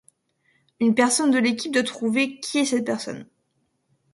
Une personne de l'équipe doit trouver qui est cette personne.